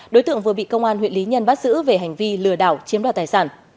đối tượng vừa bị công an huyện lý nhân bắt giữ về hành vi lừa đảo chiếm đoạt tài sản